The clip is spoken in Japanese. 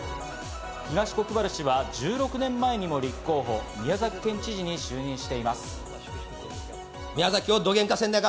東国原氏は１６年前に立候補、宮崎県知事に就任しています。